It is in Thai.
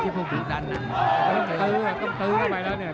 ทุ่งตื้งออกไปแล้วเนี่ย